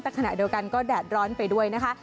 แต่ขณะเดียวกันก็แดดร้อนไปด้วยนะคะ